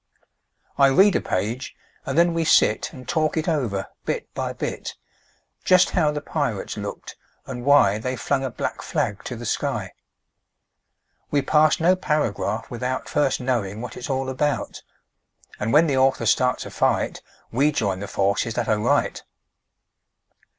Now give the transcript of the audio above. I read a page, and then we sit And talk it over, bit by bit; Just how the pirates looked, and why They flung a black flag to the sky. We pass no paragraph without First knowing what it's all about, And when the author starts a fight We join the forces that are right.